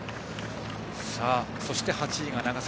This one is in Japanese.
そして８位が長崎。